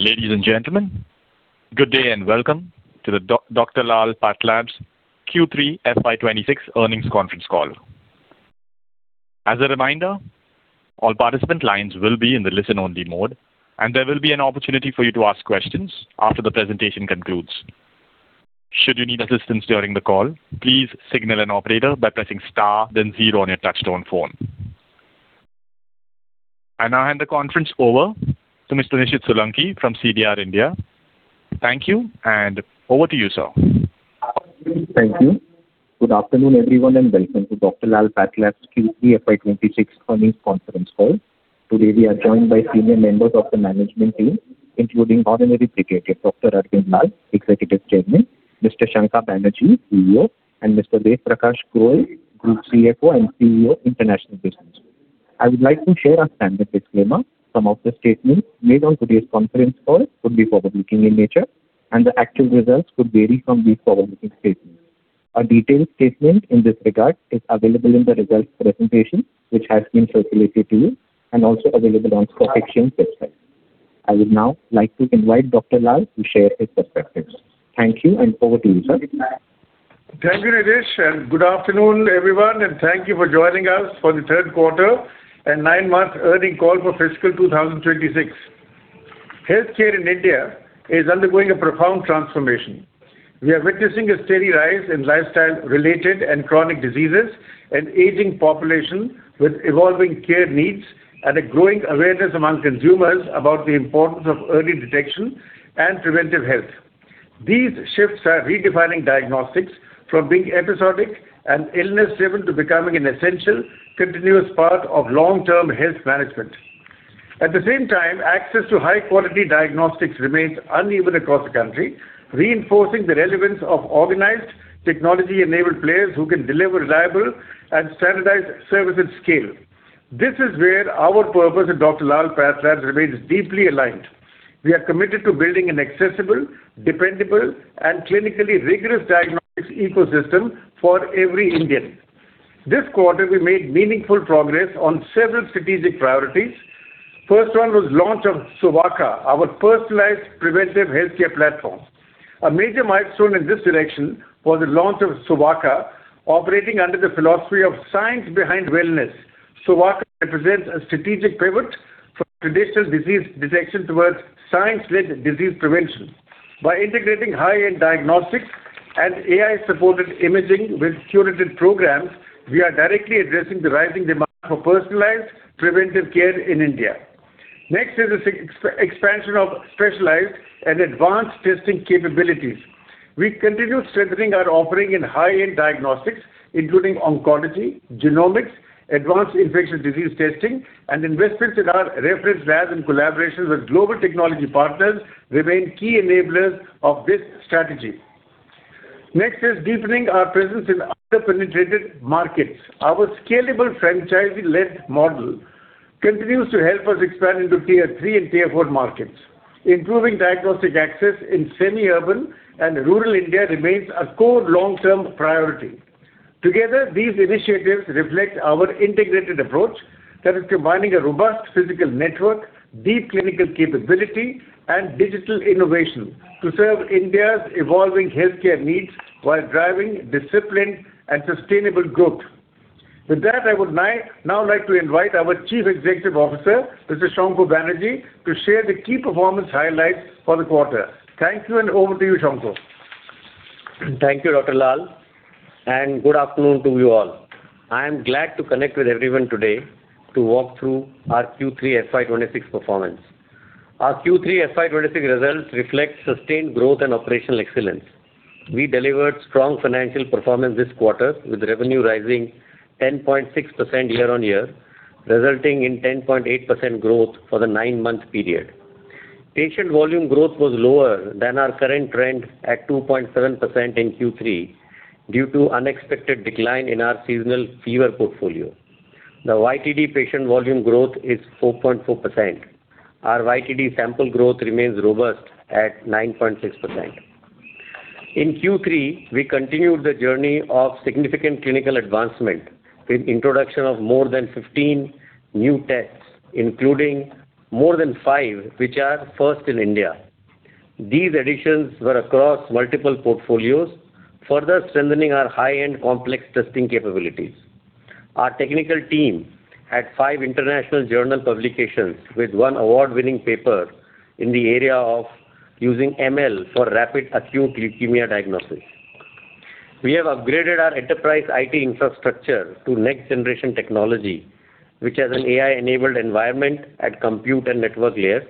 Ladies and gentlemen, good day, and welcome to the Dr. Lal PathLabs Q3 FY 2026 earnings conference call. As a reminder, all participant lines will be in the listen-only mode, and there will be an opportunity for you to ask questions after the presentation concludes. Should you need assistance during the call, please signal an operator by pressing star, then zero on your touchtone phone. I now hand the conference over to Mr. Nishid Solanki from CDR India. Thank you, and over to you, sir. Thank you. Good afternoon, everyone, and welcome to Dr. Lal PathLabs Q3 FY 2026 earnings conference call. Today, we are joined by senior members of the management team, including Honorary Patron, Dr. Arvind Lal, Executive Chairman, Mr. Shankha Banerjee, CEO, and Mr. Ved Prakash Goel, Group CFO and CEO, International Business. I would like to share our standard disclaimer. Some of the statements made on today's conference call could be forward-looking in nature, and the actual results could vary from these forward-looking statements. A detailed statement in this regard is available in the results presentation, which has been circulated to you and also available on stock exchange website. I would now like to invite Dr. Lal to share his perspectives. Thank you, and over to you, sir. Thank you, Nishid, and good afternoon, everyone, and thank you for joining us for the third quarter and nine-month earnings call for fiscal 2026. Healthcare in India is undergoing a profound transformation. We are witnessing a steady rise in lifestyle-related and chronic diseases, an aging population with evolving care needs, and a growing awareness among consumers about the importance of early detection and preventive health. These shifts are redefining diagnostics from being episodic and illness-driven to becoming an essential, continuous part of long-term health management. At the same time, access to high-quality diagnostics remains uneven across the country, reinforcing the relevance of organized, technology-enabled players who can deliver reliable and standardized service at scale. This is where our purpose at Dr. Lal PathLabs remains deeply aligned. We are committed to building an accessible, dependable, and clinically rigorous diagnostics ecosystem for every Indian. This quarter, we made meaningful progress on several strategic priorities. First one was launch of Sovaaka, our personalized preventive healthcare platform. A major milestone in this direction was the launch of Sovaaka, operating under the philosophy of science behind wellness. Sovaaka represents a strategic pivot from traditional disease detection towards science-led disease prevention. By integrating high-end diagnostics and AI-supported imaging with curated programs, we are directly addressing the rising demand for personalized preventive care in India. Next is the expansion of specialized and advanced testing capabilities. We continue strengthening our offering in high-end diagnostics, including oncology, genomics, advanced infectious disease testing, and investments in our reference labs in collaboration with global technology partners remain key enablers of this strategy. Next is deepening our presence in under-penetrated markets. Our scalable franchise-led model continues to help us expand into Tier 3 and Tier 4 markets. Improving diagnostic access in semi-urban and rural India remains a core long-term priority. Together, these initiatives reflect our integrated approach that is combining a robust physical network, deep clinical capability, and digital innovation to serve India's evolving healthcare needs while driving disciplined and sustainable growth. With that, I would now like to invite our Chief Executive Officer, Mr. Shankha Banerjee, to share the key performance highlights for the quarter. Thank you, and over to you, Shankha. Thank you, Dr. Lal, and good afternoon to you all. I am glad to connect with everyone today to walk through our Q3 FY 2026 performance. Our Q3 FY 2026 results reflect sustained growth and operational excellence. We delivered strong financial performance this quarter, with revenue rising 10.6% year-on-year, resulting in 10.8% growth for the nine-month period. Patient volume growth was lower than our current trend at 2.7% in Q3 due to unexpected decline in our seasonal fever portfolio. The YTD patient volume growth is 4.4%. Our YTD sample growth remains robust at 9.6%. In Q3, we continued the journey of significant clinical advancement with introduction of more than 15 new tests, including more than 5, which are first in India. These additions were across multiple portfolios, further strengthening our high-end complex testing capabilities. Our technical team had five international journal publications with one award-winning paper in the area of using ML for rapid acute leukemia diagnosis. We have upgraded our enterprise IT infrastructure to next-generation technology, which has an AI-enabled environment at compute and network layer.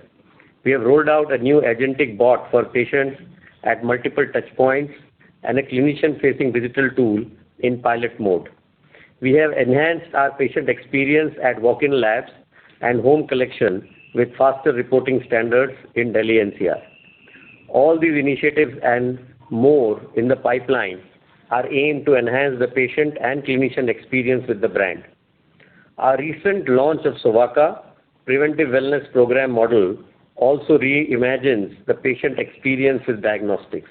We have rolled out a new agentic bot for patients at multiple touchpoints and a clinician-facing digital tool in pilot mode. We have enhanced our patient experience at walk-in labs and home collection with faster reporting standards in Delhi NCR. All these initiatives and more in the pipeline are aimed to enhance the patient and clinician experience with the brand. Our recent launch of Sovaaka preventive wellness program model also reimagines the patient experience with diagnostics...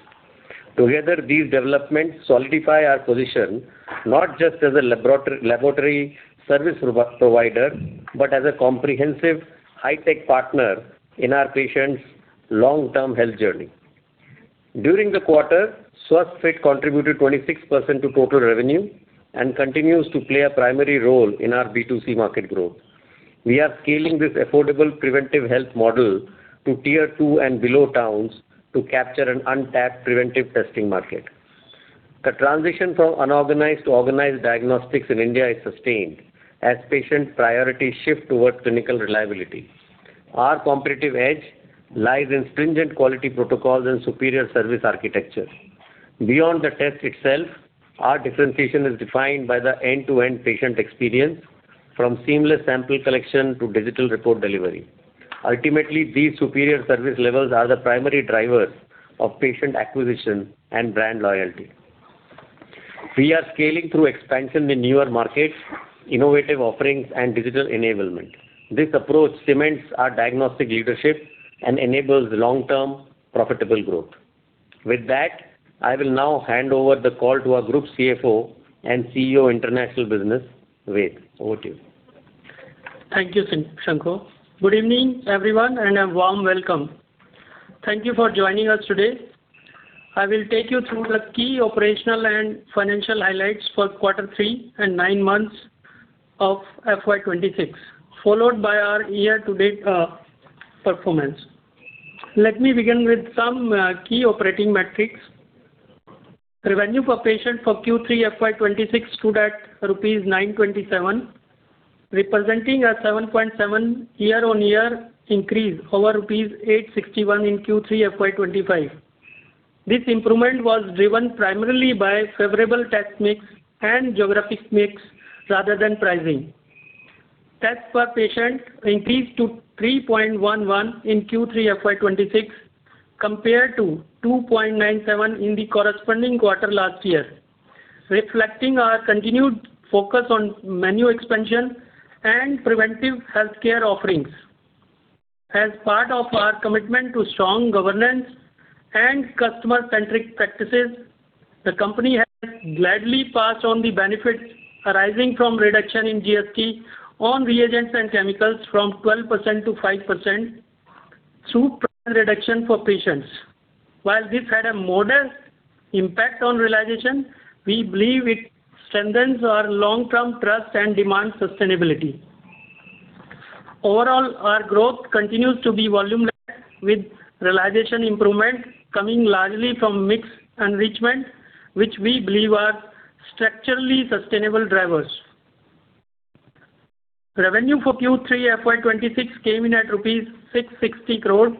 Together, these developments solidify our position, not just as a laboratory service provider, but as a comprehensive, high-tech partner in our patients' long-term health journey. During the quarter, SwasthFit contributed 26% to total revenue, and continues to play a primary role in our B2C market growth. We are scaling this affordable preventive health model to Tier 2 and below towns to capture an untapped preventive testing market. The transition from unorganized to organized diagnostics in India is sustained as patient priorities shift towards clinical reliability. Our competitive edge lies in stringent quality protocols and superior service architecture. Beyond the test itself, our differentiation is defined by the end-to-end patient experience, from seamless sample collection to digital report delivery. Ultimately, these superior service levels are the primary drivers of patient acquisition and brand loyalty. We are scaling through expansion in newer markets, innovative offerings, and digital enablement. This approach cements our diagnostic leadership and enables long-term profitable growth. With that, I will now hand over the call to our Group CFO and CEO International Business. Ved, over to you. Thank you, Shankha. Good evening, everyone, and a warm welcome. Thank you for joining us today. I will take you through the key operational and financial highlights for quarter three and nine months of FY 2026, followed by our year-to-date performance. Let me begin with some key operating metrics. Revenue per patient for Q3 FY 2026 stood at rupees 927, representing a 7.7 year-on-year increase over rupees 861 in Q3 FY 2025. This improvement was driven primarily by favorable test mix and geographic mix rather than pricing. Tests per patient increased to 3.11 in Q3 FY 2026, compared to 2.97 in the corresponding quarter last year, reflecting our continued focus on menu expansion and preventive healthcare offerings. As part of our commitment to strong governance and customer-centric practices, the company has gladly passed on the benefits arising from reduction in GST on reagents and chemicals from 12%-5% through price reduction for patients. While this had a modest impact on realization, we believe it strengthens our long-term trust and demand sustainability. Overall, our growth continues to be volume-led, with realization improvement coming largely from mix enrichment, which we believe are structurally sustainable drivers. Revenue for Q3 FY 2026 came in at rupees 660 crore,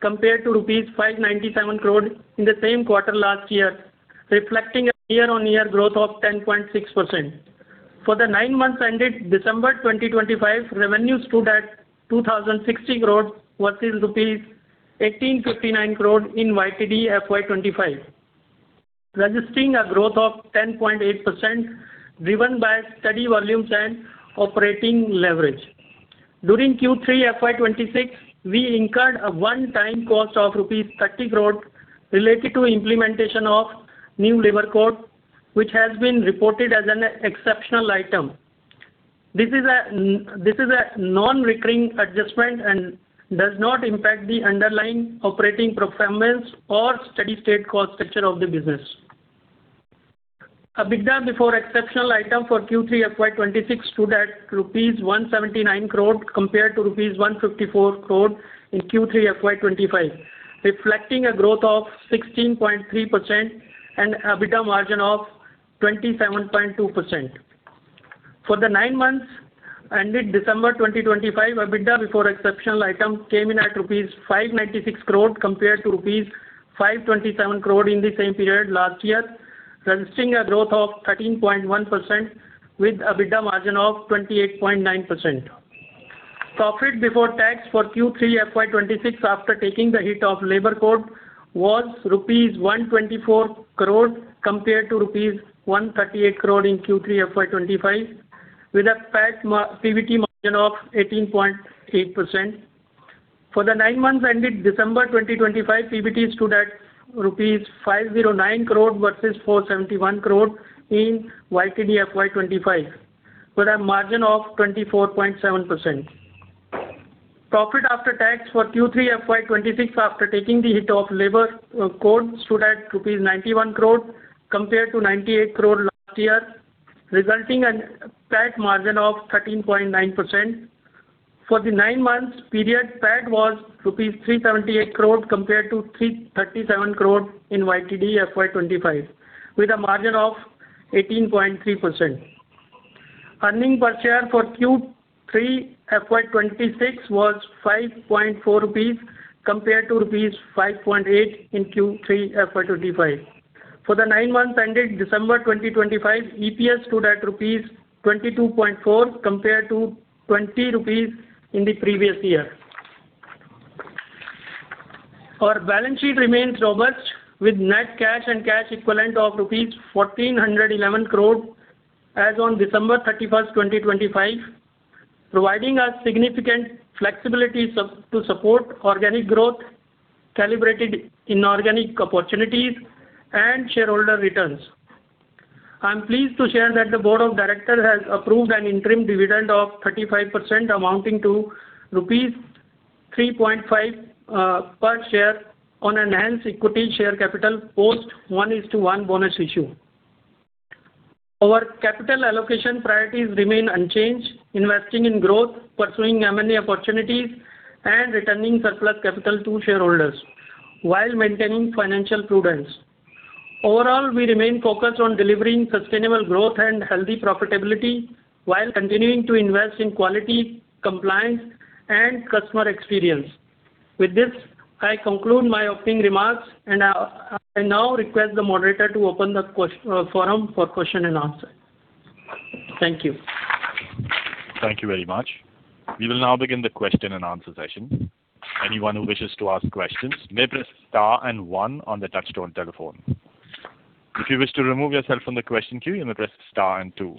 compared to rupees 597 crore in the same quarter last year, reflecting a year-on-year growth of 10.6%. For the nine months ended December 2025, revenue stood at 2,060 crore versus rupees 1,859 crore in YTD FY 2025, registering a growth of 10.8%, driven by steady volumes and operating leverage. During Q3 FY 2026, we incurred a one-time cost of rupees 30 crore related to implementation of new Labour Code, which has been reported as an exceptional item. This is a non-recurring adjustment and does not impact the underlying operating performance or steady-state cost structure of the business. EBITDA before exceptional item for Q3 FY 2026 stood at rupees 179 crore, compared to rupees 154 crore in Q3 FY 2025, reflecting a growth of 16.3% and EBITDA margin of 27.2%. For the nine months ended December 2025, EBITDA before exceptional item came in at rupees 596 crore compared to rupees 527 crore in the same period last year, registering a growth of 13.1% with EBITDA margin of 28.9%. Profit before tax for Q3 FY 2026, after taking the hit of Labour Code, was rupees 124 crore compared to rupees 138 crore in Q3 FY 2025, with a PAT mar-- PBT margin of 18.8%. For the nine months ended December 2025, PBT stood at rupees 509 crore versus 471 crore in YTD FY 2025, with a margin of 24.7%. Profit after tax for Q3 FY 2026, after taking the hit of Labour Code, stood at rupees 91 crore compared to 98 crore last year, resulting in a PAT margin of 13.9%. For the nine months period, PAT was rupees 378 crore compared to 337 crore in YTD FY 2025, with a margin of 18.3%. Earnings per share for Q3 FY 2026 was 5.4 rupees, compared to rupees 5.8 in Q3 FY 2025. For the nine months ended December 2025, EPS stood at rupees 22.4, compared to 20 rupees in the previous year. Our balance sheet remains robust, with net cash and cash equivalents of rupees 1,411 crore as on December 31, 2025. Providing us significant flexibility to support organic growth, calibrated inorganic opportunities, and shareholder returns. I'm pleased to share that the board of directors has approved an interim dividend of 35%, amounting to rupees 3.5 per share on enhanced equity share capital post 1:1 bonus issue. Our capital allocation priorities remain unchanged, investing in growth, pursuing M&A opportunities, and returning surplus capital to shareholders while maintaining financial prudence. Overall, we remain focused on delivering sustainable growth and healthy profitability while continuing to invest in quality, compliance, and customer experience. With this, I conclude my opening remarks, and I now request the moderator to open the forum for question and answer. Thank you. Thank you very much. We will now begin the question-and-answer session. Anyone who wishes to ask questions, may press star and one on the touchtone telephone. If you wish to remove yourself from the question queue, you may press star and two.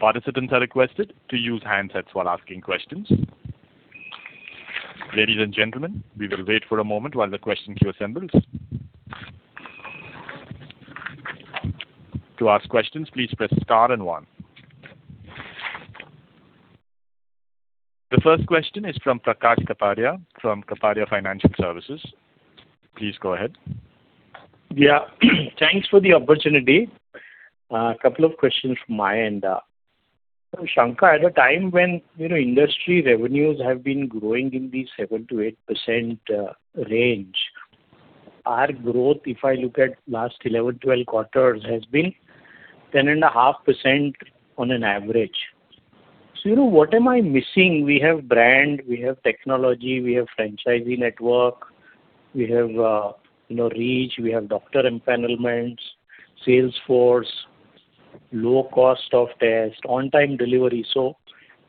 Participants are requested to use handsets while asking questions. Ladies and gentlemen, we will wait for a moment while the question queue assembles. To ask questions, please press star and one. The first question is from Prakash Kapadia, from Kapadia Investments & Financial Services. Please go ahead. Yeah. Thanks for the opportunity. A couple of questions from my end. Shankha, at a time when, you know, industry revenues have been growing in the 7%-8% range, our growth, if I look at last 11, 12 quarters, has been 10.5% on an average. So, you know, what am I missing? We have brand, we have technology, we have franchisee network, we have, you know, reach, we have doctor empanelments, sales force, low cost of test, on-time delivery. So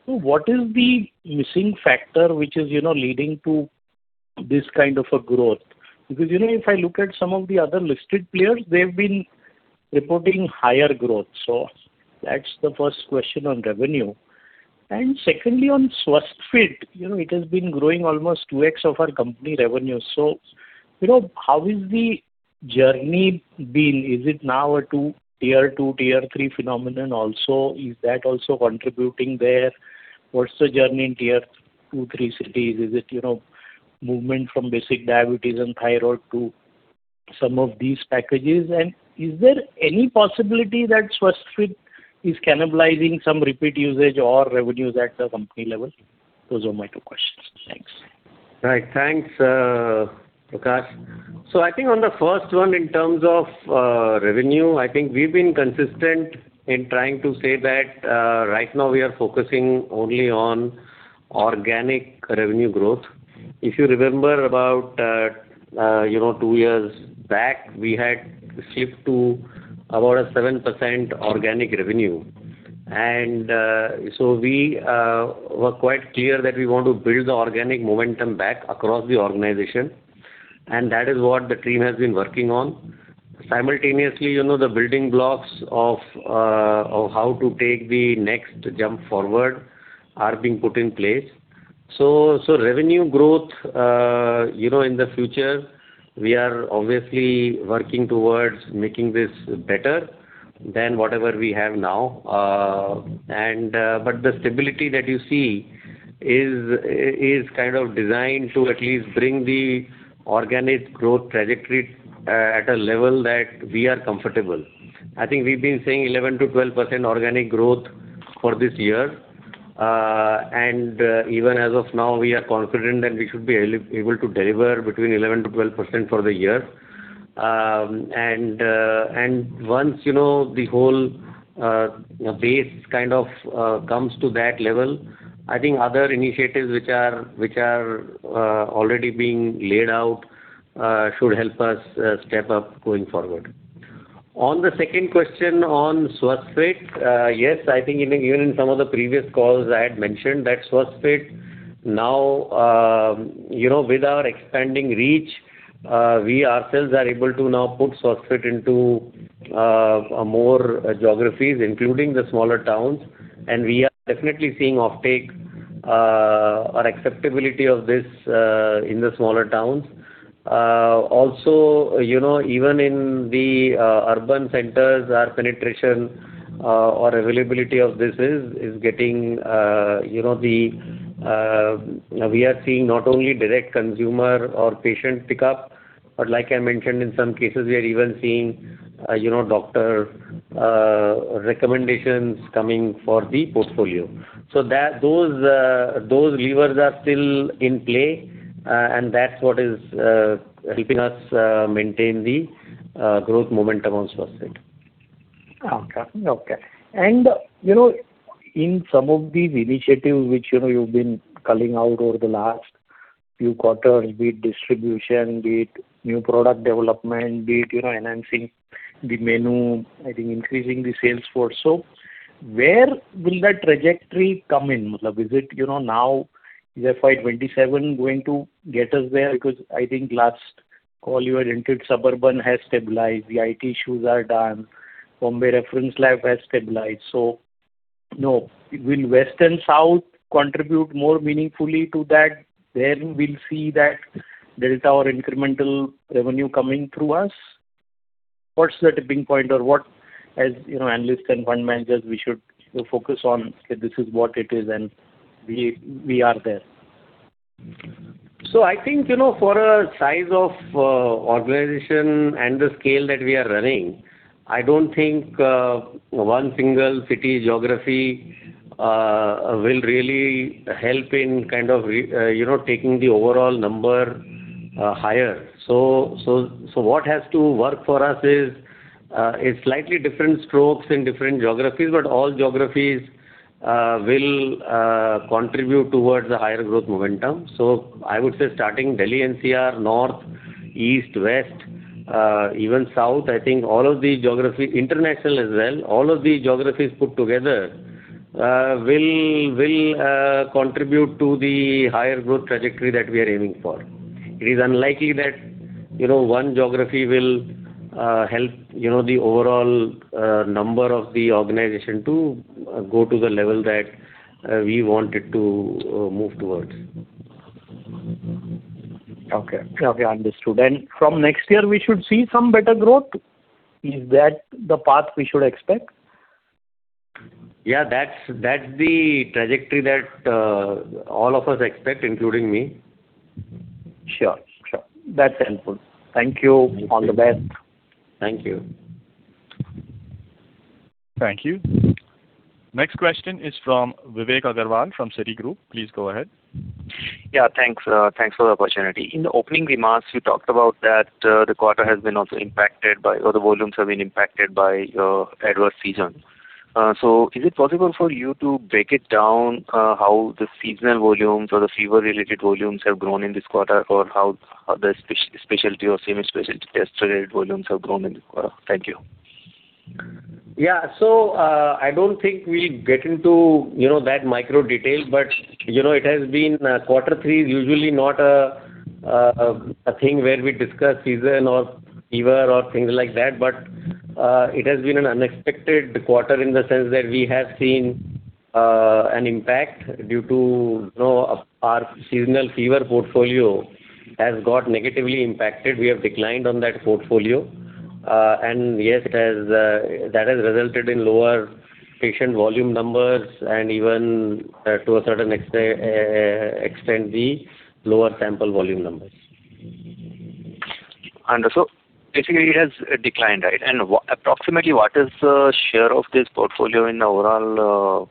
what is the missing factor which is, you know, leading to this kind of a growth? Because, you know, if I look at some of the other listed players, they've been reporting higher growth. So that's the first question on revenue. And secondly, on SwasthFit, you know, it has been growing almost 2x our company revenue. So, you know, how is the journey been? Is it now a 2-Tier 2, Tier 3 phenomenon also? Is that also contributing there? What's the journey in Tier 2, 3 cities? Is it, you know, movement from basic diabetes and thyroid to some of these packages? And is there any possibility that SwasthFit is cannibalizing some repeat usage or revenues at the company level? Those are my two questions. Thanks. Right. Thanks, Prakash. So I think on the first one, in terms of revenue, I think we've been consistent in trying to say that right now we are focusing only on organic revenue growth. If you remember about, you know, two years back, we had slipped to about a 7% organic revenue. And so we were quite clear that we want to build the organic momentum back across the organization, and that is what the team has been working on. Simultaneously, you know, the building blocks of how to take the next jump forward are being put in place. So revenue growth, you know, in the future, we are obviously working towards making this better than whatever we have now. And... But the stability that you see is kind of designed to at least bring the organic growth trajectory at a level that we are comfortable. I think we've been saying 11%-12% organic growth for this year. And once, you know, the whole base kind of comes to that level, I think other initiatives which are already being laid out should help us step up going forward. On the second question on SwasthFit, yes, I think even, even in some of the previous calls, I had mentioned that SwasthFit now, you know, with our expanding reach, we ourselves are able to now put SwasthFit into, more geographies, including the smaller towns. And we are definitely seeing offtake, or acceptability of this, in the smaller towns. Also, you know, even in the, urban centers, our penetration, or availability of this is, is getting, you know, the... We are seeing not only direct consumer or patient pickup, but like I mentioned, in some cases, we are even seeing, you know, doctor, recommendations coming for the portfolio. So that those, those levers are still in play, and that's what is, helping us, maintain the, growth momentum on SwasthFit. Okay, okay. And, you know, in some of these initiatives, which, you know, you've been culling out over the last few quarters, be it distribution, be it new product development, be it, you know, enhancing the menu, I think increasing the sales force. So where will that trajectory come in? Is it, you know, now, is FY 2027 going to get us there? Because I think last- Once the integrated Suburban has stabilized, the IT issues are done, Mumbai reference lab has stabilized. So, now, will West and South contribute more meaningfully to that, then we'll see that there is our incremental revenue coming through us? What's the tipping point or what, as, you know, analysts and fund managers, we should focus on, that this is what it is, and we, we are there? So I think, you know, for a size of organization and the scale that we are running, I don't think one single city geography will really help in kind of re- you know, taking the overall number higher. So what has to work for us is slightly different strokes in different geographies, but all geographies will contribute towards the higher growth momentum. So I would say starting Delhi NCR, North, East, West, even South, I think all of the geography, international as well, all of the geographies put together will contribute to the higher growth trajectory that we are aiming for. It is unlikely that, you know, one geography will help, you know, the overall number of the organization to go to the level that we want it to move towards. Okay. Okay, understood. From next year, we should see some better growth? Is that the path we should expect? Yeah, that's, that's the trajectory that all of us expect, including me. Sure. Sure. That's helpful. Thank you. Thank you. All the best. Thank you. Thank you. Next question is from Vivek Agarwal, from Citigroup. Please go ahead. Yeah, thanks, thanks for the opportunity. In the opening remarks, you talked about that, the quarter has been also impacted by, or the volumes have been impacted by, adverse season. So, is it possible for you to break it down, how the seasonal volumes or the fever-related volumes have grown in this quarter, or how the specialty or semi-specialty test-related volumes have grown in this quarter? Thank you. Yeah. So, I don't think we'll get into, you know, that micro detail, but, you know, it has been, quarter three is usually not a, a thing where we discuss season or fever or things like that, but, it has been an unexpected quarter in the sense that we have seen, an impact due to, you know, our seasonal fever portfolio has got negatively impacted. We have declined on that portfolio. And yes, it has, that has resulted in lower patient volume numbers and even, to a certain extent, the lower sample volume numbers. And so basically, it has declined, right? And approximately, what is the share of this portfolio in the overall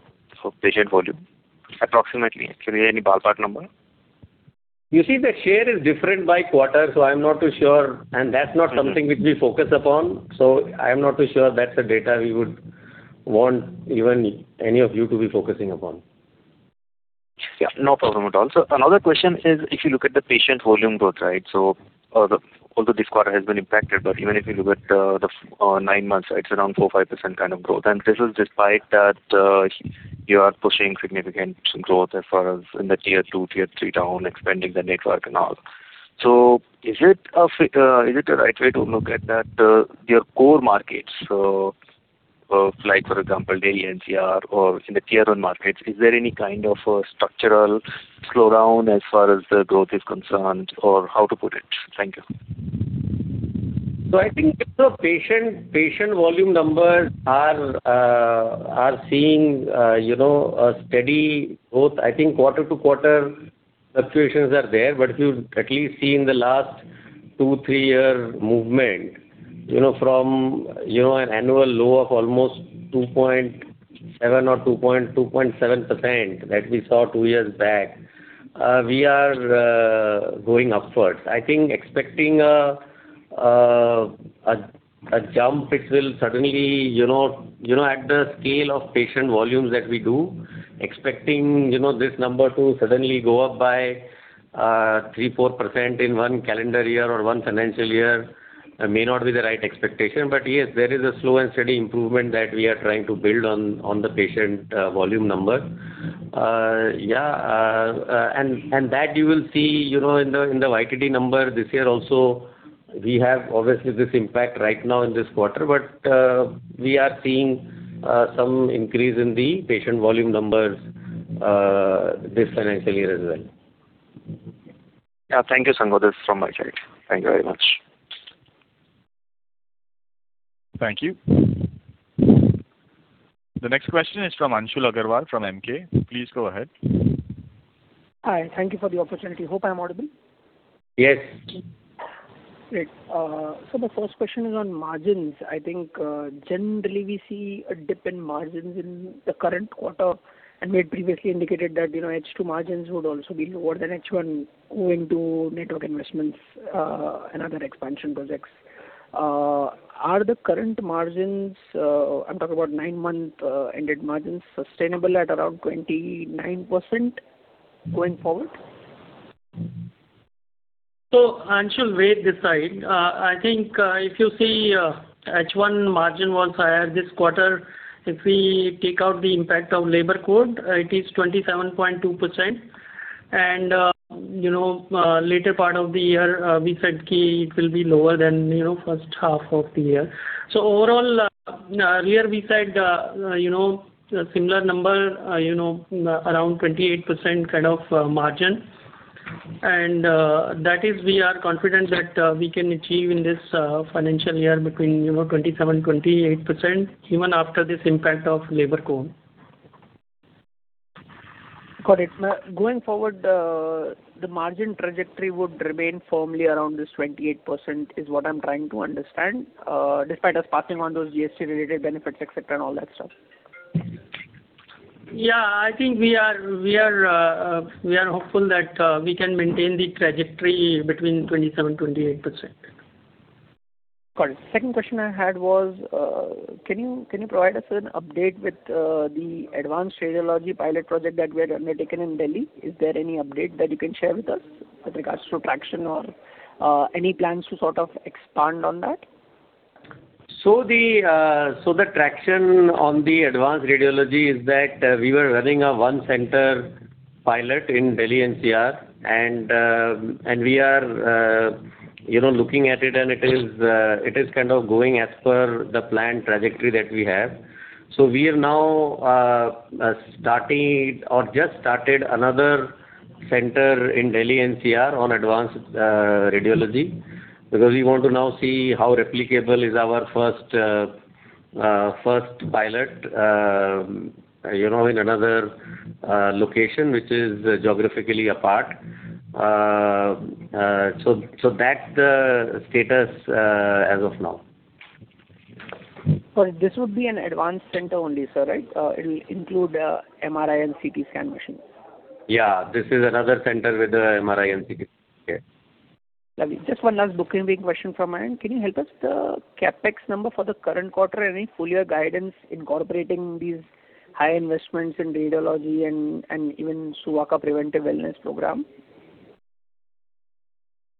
patient volume? Approximately, is there any ballpark number? You see, the share is different by quarter, so I'm not too sure, and that's not something- Mm-hmm. which we focus upon, so I'm not too sure that's a data we would want even any of you to be focusing upon. Yeah, no problem at all. So another question is, if you look at the patient volume growth, right? So, although this quarter has been impacted, but even if you look at the nine months, it's around 4%-5% kind of growth. And this is despite that you are pushing significant growth as far as in the Tier 2, Tier 3 towns, expanding the network and all. So is it a right way to look at that your core markets, like, for example, Delhi NCR or in the Tier 1 markets, is there any kind of a structural slowdown as far as the growth is concerned, or how to put it? Thank you. So I think the patient volume numbers are seeing, you know, a steady growth. I think quarter-to-quarter fluctuations are there, but if you at least see in the last 2-3-year movement, you know, from you know an annual low of almost 2.7% that we saw two years back, we are going upwards. I think expecting a jump it will suddenly, you know, at the scale of patient volumes that we do, expecting you know this number to suddenly go up by 3%-4% in one calendar year or one financial year, may not be the right expectation. But yes, there is a slow and steady improvement that we are trying to build on the patient volume number. Yeah, and that you will see, you know, in the YTD number this year also. We have obviously this impact right now in this quarter, but we are seeing some increase in the patient volume numbers this financial year as well. Yeah. Thank you, Shankha. This from my side. Thank you very much. Thank you. The next question is from Anshul Agrawal, from Emkay. Please go ahead. Hi, thank you for the opportunity. Hope I'm audible? Yes. Great. So the first question is on margins. I think, generally, we see a dip in margins in the current quarter, and we had previously indicated that, you know, H2 margins would also be lower than H1, going to network investments, and other expansion projects. Are the current margins, I'm talking about nine-month ended margins, sustainable at around 29% going forward? So Anshul, Ved this side. I think, if you see, H1 margin was higher this quarter. If we take out the impact of Labour Code, it is 27.2%.... And, you know, later part of the year, we said it will be lower than, you know, first half of the year. So overall, earlier we said, you know, similar number, you know, around 28% kind of, margin. And, that is we are confident that, we can achieve in this, financial year between, you know, 27%-28%, even after this impact of Labour Code. Got it. Now, going forward, the margin trajectory would remain firmly around this 28%, is what I'm trying to understand, despite us passing on those GST-related benefits, et cetera, and all that stuff? Yeah, I think we are hopeful that we can maintain the trajectory between 27%-28%. Got it. Second question I had was, can you, can you provide us an update with, the advanced radiology pilot project that we had undertaken in Delhi? Is there any update that you can share with us with regards to traction or, any plans to sort of expand on that? So the, so the traction on the advanced radiology is that, we were running a one center pilot in Delhi NCR, and, and we are, you know, looking at it, and it is, it is kind of going as per the planned trajectory that we have. So we have now, started or just started another center in Delhi NCR on advanced, radiology, because we want to now see how replicable is our first, first pilot, you know, in another, location, which is geographically apart. So, so that's the status, as of now. So this would be an advanced center only, sir, right? It will include MRI and CT scan machines. Yeah, this is another center with the MRI and CT, yeah. Just one last book-keeping question from my end. Can you help us the CapEx number for the current quarter? Any full year guidance incorporating these high investments in radiology and even Sovaaka preventive wellness program?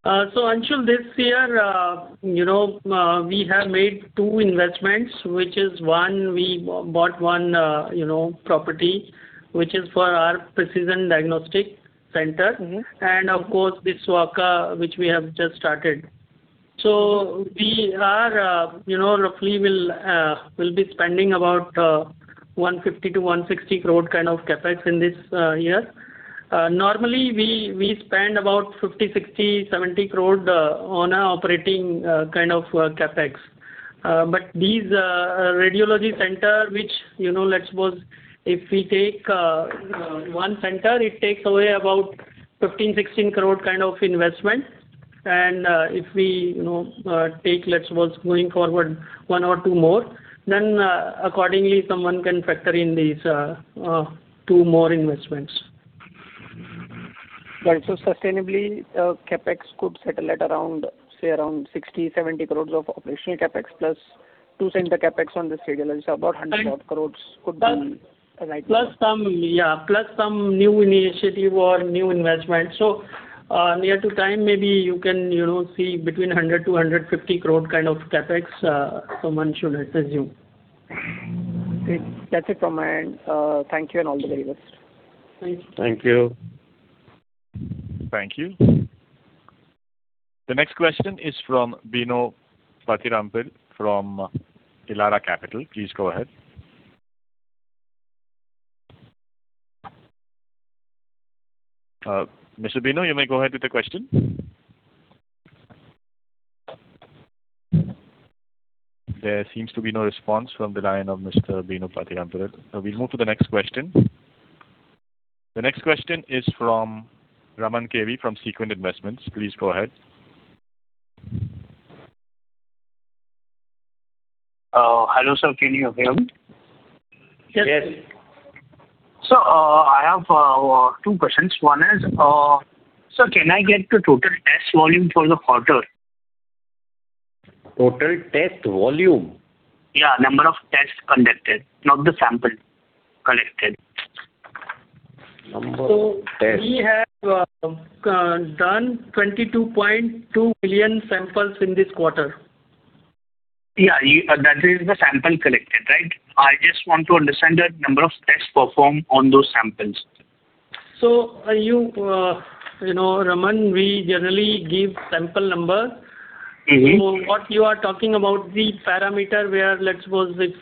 So Anshul, this year, you know, we have made two investments, which is one, we bought one, you know, property, which is for our precision diagnostic center. Mm-hmm. Of course, the Sovaaka, which we have just started. So we are, you know, roughly will be spending about 150-160 crore kind of CapEx in this year. Normally, we spend about 50, 60, 70 crore on our operating kind of CapEx. But these radiology center, which, you know, let's suppose if we take one center, it takes away about 15, 16 crore kind of investment. And if we, you know, take, let's suppose, going forward, one or two more, then accordingly, someone can factor in these two more investments. Right. So sustainably, CapEx could settle at around, say, around 60-70 crores of operational CapEx, plus per center CapEx on this radiology, about 100 odd crores could be right? Plus some, yeah, plus some new initiative or new investment. So, near term, maybe you can, you know, see between 100-150 crore kind of CapEx, someone should assume. Great. That's it from my end. Thank you and all the very best. Thank you. Thank you. Thank you. The next question is from Bino Pathiparampil from Elara Capital. Please go ahead. Mr. Bino, you may go ahead with the question. There seems to be no response from the line of Mr. Bino Pathiparampil. So we'll move to the next question. The next question is from Raman KV from Sequent Investments. Please go ahead. Hello, sir, can you hear me? Yes. Sir, I have two questions. One is, sir, can I get the total test volume for the quarter? Total test volume? Yeah, number of tests conducted, not the sample collected. Number of tests. We have done 22.2 million samples in this quarter. Yeah, that is the sample collected, right? I just want to understand the number of tests performed on those samples. So are you, you know, Raman, we generally give sample number. Mm-hmm. So what you are talking about, the parameter where, let's suppose if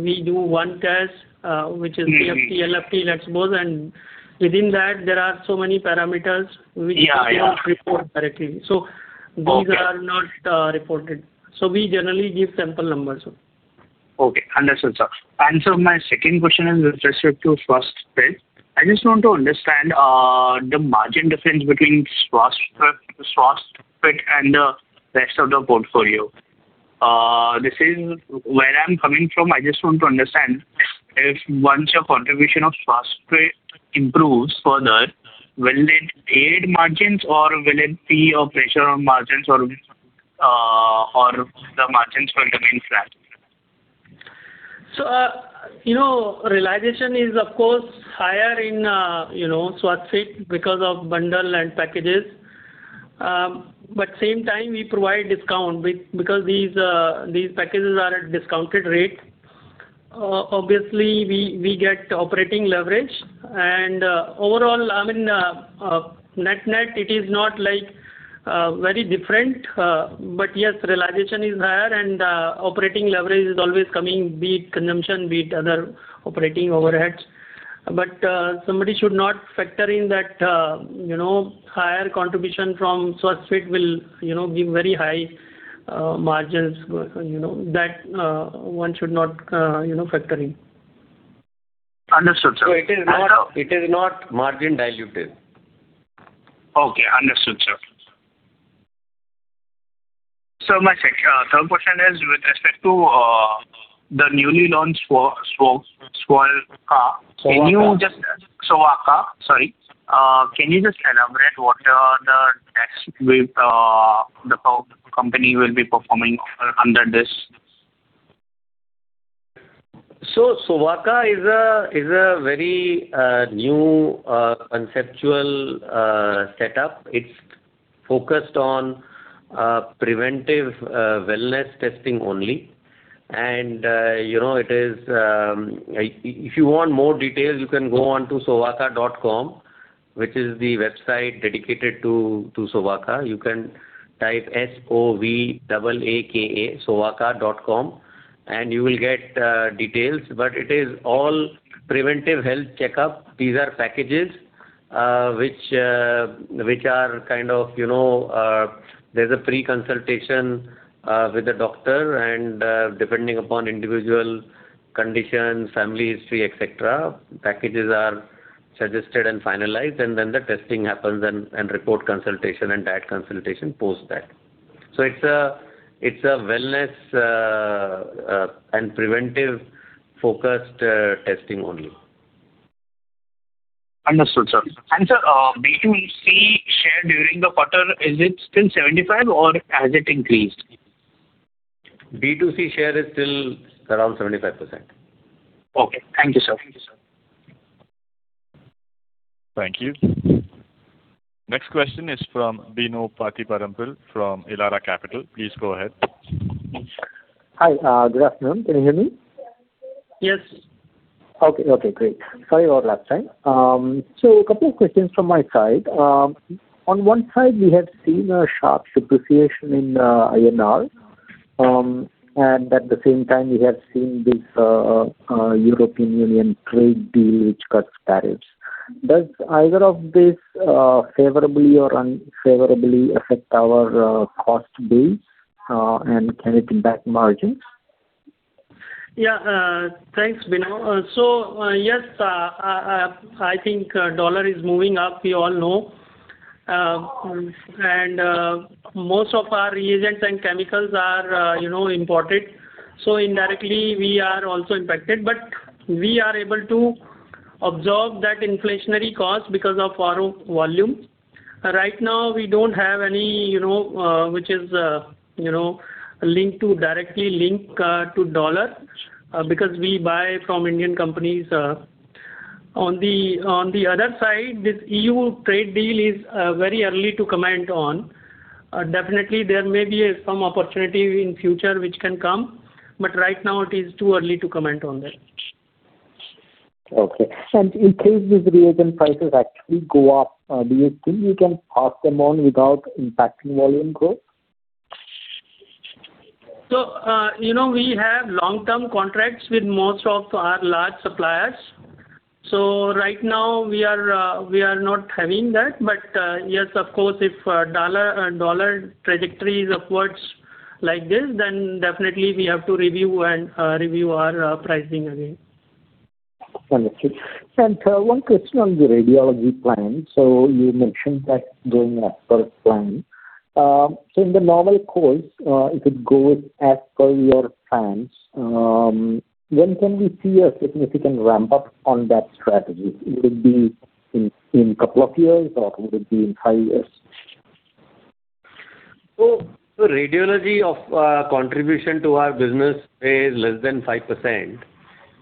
we do one test, which is- Mm-hmm KFT, LFT, let's suppose, and within that, there are so many parameters which- Yeah, yeah We do not report directly. Okay. So these are not reported. So we generally give sample numbers. Okay, understood, sir. And so my second question is registered to SwasthFit. I just want to understand the margin difference between SwasthFit, SwasthFit and the rest of the portfolio. This is where I'm coming from. I just want to understand if once your contribution of SwasthFit improves further, will it aid margins or will it be a pressure on margins or the margins will remain flat? So, you know, realization is, of course, higher in, you know, SwasthFit because of bundle and packages. But same time, we provide discount because these, these packages are at discounted rate. Obviously, we get operating leverage. Overall, I mean, net-net, it is not like very different. But yes, realization is higher, and operating leverage is always coming, be it consumption, be it other operating overheads. But somebody should not factor in that, you know, higher contribution from SwasthFit will, you know, give very high margins. You know, that one should not, you know, factor in. Understood, sir. So it is not, it is not margin diluted. Okay, understood, sir. So my third question is with respect to the newly launched Sovaaka- Sovaaka. Can you just... Sovaaka, sorry. Can you just elaborate what are the tests with, the company will be performing under this? So Sovaaka is a, is a very, new, conceptual, setup. It's focused on, preventive, wellness testing only. And, you know, it is, if you want more details, you can go onto sovaaka.com, which is the website dedicated to, to Sovaaka. You can type S-O-V-A-A-K-A, sovaaka.com, and you will get, details. But it is all preventive health checkup. These are packages, which, which are kind of, you know, there's a free consultation, with the doctor, and, depending upon individual condition, family history, et cetera, packages are suggested and finalized, and then the testing happens and, and report consultation and diet consultation post that. So it's a, it's a wellness, and preventive-focused, testing only. Understood, sir. And, sir, B2C share during the quarter, is it still 75, or has it increased? B2C share is still around 75%. Okay. Thank you, sir. Thank you, sir. Thank you. Next question is from Bino Pathiparampil from Elara Capital. Please go ahead. Hi, good afternoon. Can you hear me? Yes. Okay. Okay, great. Sorry about last time. So a couple of questions from my side. On one side, we have seen a sharp depreciation in INR, and at the same time, we have seen this European Union trade deal which cuts tariffs. Does either of these favorably or unfavorably affect our cost base, and can it impact margins? Yeah, thanks, Bino. So, yes, I think dollar is moving up, we all know. And most of our reagents and chemicals are, you know, imported, so indirectly we are also impacted. But we are able to absorb that inflationary cost because of our volume. Right now, we don't have any, you know, which is, you know, linked to directly linked to dollar, because we buy from Indian companies. On the other side, this EU trade deal is very early to comment on. Definitely there may be some opportunity in future which can come, but right now it is too early to comment on that. Okay. And in case these reagent prices actually go up, do you think you can pass them on without impacting volume growth? So, you know, we have long-term contracts with most of our large suppliers. So right now we are, we are not having that. But, yes, of course, if dollar trajectory is upwards like this, then definitely we have to review and review our pricing again. Understood. One question on the radiology plan. You mentioned that going as per plan. In the normal course, if it goes as per your plans, when can we see a significant ramp-up on that strategy? Would it be in, in couple of years, or would it be in five years? So the radiology contribution to our business is less than 5%.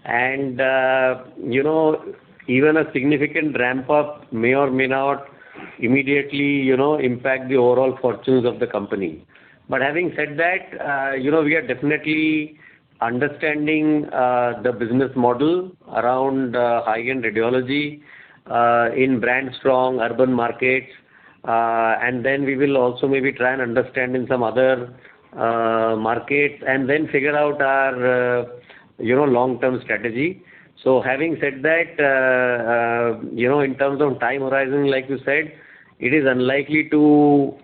And, you know, even a significant ramp-up may or may not immediately, you know, impact the overall fortunes of the company. But having said that, you know, we are definitely understanding the business model around high-end radiology in brand-strong urban markets. And then we will also maybe try and understand in some other markets and then figure out our, you know, long-term strategy. So having said that, you know, in terms of time horizon, like you said, it is unlikely to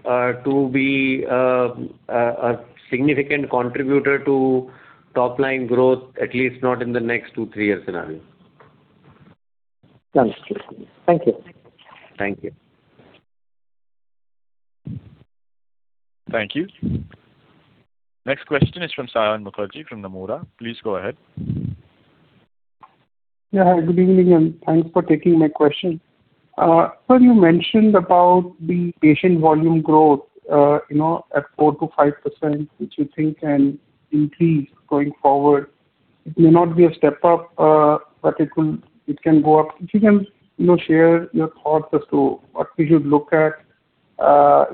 be a significant contributor to top-line growth, at least not in the next 2-3 years scenario. Understood. Thank you. Thank you. Thank you. Next question is from Saion Mukherjee from Nomura. Please go ahead. Yeah, hi, good evening, and thanks for taking my question. Sir, you mentioned about the patient volume growth, you know, at 4%-5%, which you think can increase going forward. It may not be a step-up, but it will, it can go up. If you can, you know, share your thoughts as to what we should look at,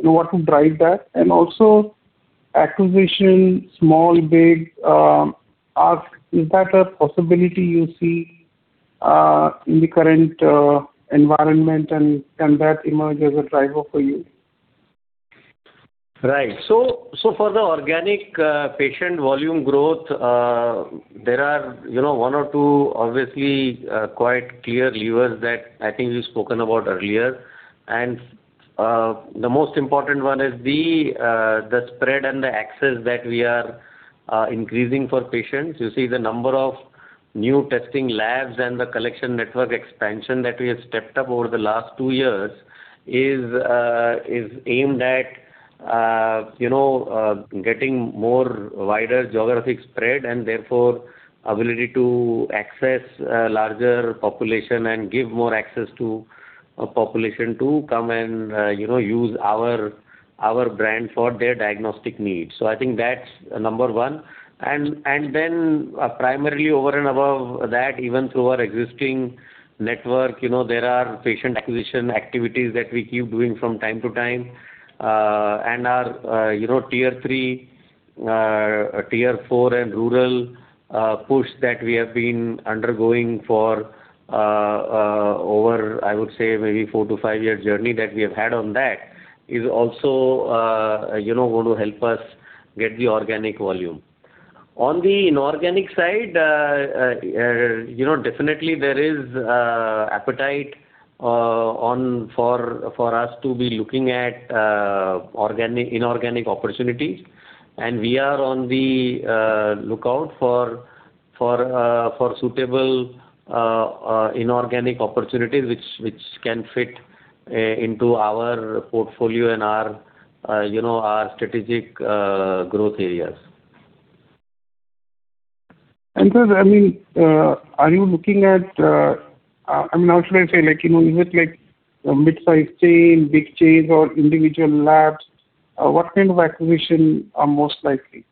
what would drive that? And also acquisition, small, big, ask, is that a possibility you see, in the current, environment, and, and that emerge as a driver for you? Right. So, for the organic, patient volume growth, there are, you know, one or two obviously, quite clear levers that I think we've spoken about earlier. The most important one is the the spread and the access that we are, increasing for patients. You see, the number of new testing labs and the collection network expansion that we have stepped up over the last two years is, is aimed at, you know, getting more wider geographic spread, and therefore, ability to access, larger population and give more access to a population to come and, you know, use our, our brand for their diagnostic needs. So I think that's number one. Then, primarily over and above that, even through our existing network, you know, there are patient acquisition activities that we keep doing from time to time. And our, you know, Tier 3, Tier 4, and rural push that we have been undergoing for over, I would say, maybe 4-5-year journey that we have had on that, is also, you know, going to help us get the organic volume. On the inorganic side, you know, definitely there is appetite for us to be looking at inorganic opportunities. And we are on the lookout for suitable inorganic opportunities which can fit into our portfolio and our, you know, our strategic growth areas. And so, I mean, are you looking at, I mean, how should I say, like, you know, is it like a mid-size chain, big chains, or individual labs? What kind of acquisition are most likely?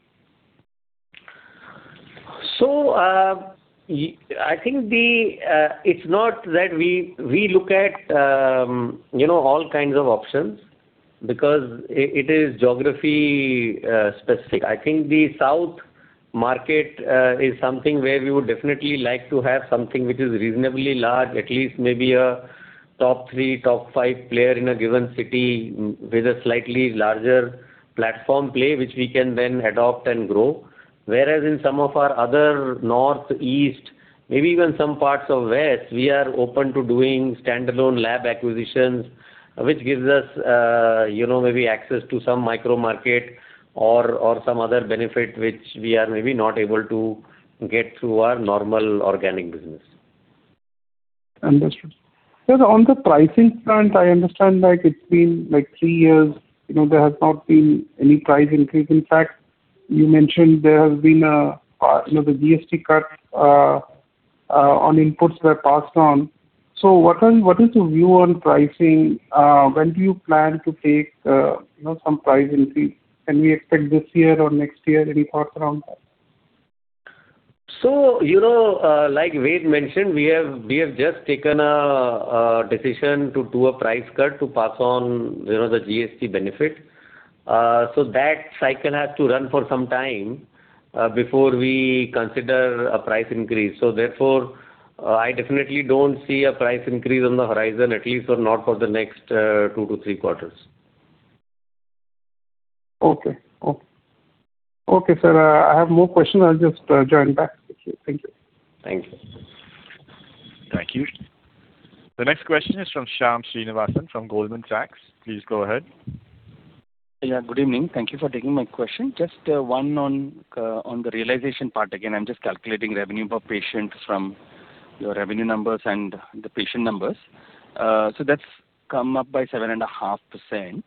So, I think it's not that we look at, you know, all kinds of options because it is geography specific. I think the South market is something where we would definitely like to have something which is reasonably large, at least maybe a top three, top five player in a given city, with a slightly larger platform play, which we can then adopt and grow. Whereas in some of our other North, East, maybe even some parts of West, we are open to doing standalone lab acquisitions, which gives us, you know, maybe access to some micro market or some other benefit which we are maybe not able to get through our normal organic business. Understood. So on the pricing front, I understand, like, it's been, like, three years, you know, there has not been any price increase. In fact, you mentioned there has been a, you know, the GST cut on inputs were passed on. So what are, what is your view on pricing? When do you plan to take, you know, some price increase? Can we expect this year or next year? Any thoughts around that? So, you know, like Ved mentioned, we have, we have just taken a, a decision to do a price cut to pass on, you know, the GST benefit. So that cycle has to run for some time, before we consider a price increase. So therefore, I definitely don't see a price increase on the horizon, at least for not for the next, 2-3 quarters. Okay, sir, I have more question. I'll just join back. Thank you. Thank you. Thank you. The next question is from Shyam Srinivasan, from Goldman Sachs. Please go ahead. Yeah, good evening. Thank you for taking my question. Just, one on, on the realization part. Again, I'm just calculating revenue per patient from your revenue numbers and the patient numbers. So that's come up by 7.5%.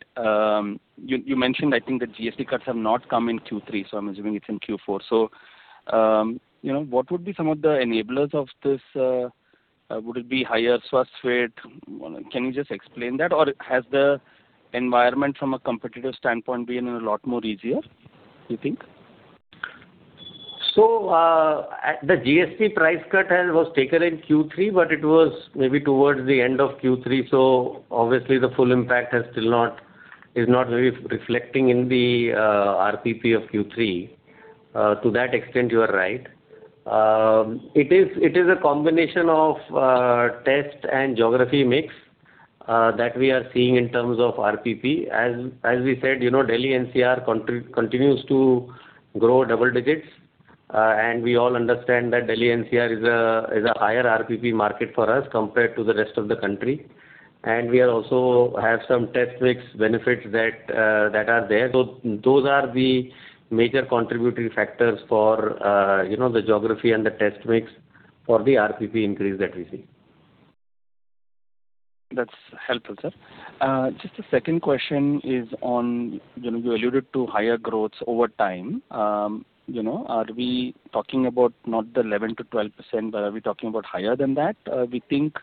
You, you mentioned, I think, the GST cuts have not come in Q3, so I'm assuming it's in Q4. So, you know, what would be some of the enablers of this, would it be higher source rate? Can you just explain that? Or has the environment from a competitive standpoint been a lot more easier, do you think? The GST price cut has was taken in Q3, but it was maybe towards the end of Q3, so obviously the full impact has still not is not really reflecting in the RPP of Q3. To that extent, you are right. It is a combination of test and geography mix that we are seeing in terms of RPP. As we said, you know, Delhi NCR continues to grow double digits, and we all understand that Delhi NCR is a higher RPP market for us compared to the rest of the country. And we are also have some test mix benefits that that are there. So those are the major contributing factors for you know, the geography and the test mix for the RPP increase that we see. That's helpful, sir. Just a second question is on, you know, you alluded to higher growth over time. You know, are we talking about not the 11%-12%, but are we talking about higher than that? We think,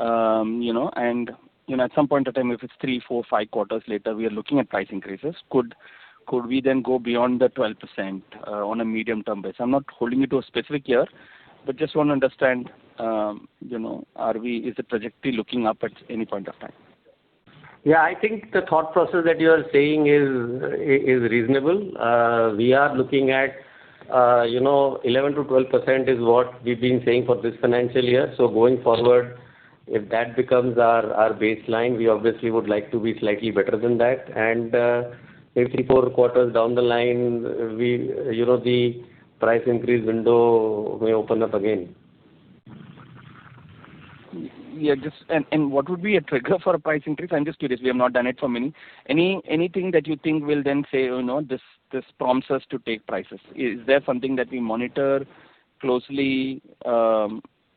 you know, and, you know, at some point in time, if it's three, four, five quarters later, we are looking at price increases, could... Could we then go beyond the 12%, on a medium-term basis? I'm not holding you to a specific year, but just want to understand, you know, are we- is the trajectory looking up at any point of time? Yeah, I think the thought process that you are saying is reasonable. We are looking at, you know, 11%-12% is what we've been saying for this financial year. So going forward, if that becomes our baseline, we obviously would like to be slightly better than that. And if 3-4 quarters down the line, we, you know, the price increase window may open up again. Yeah, and what would be a trigger for a price increase? I'm just curious. We have not done it for many... Anything that you think will then say, "Oh, no, this prompts us to take prices." Is there something that we monitor closely?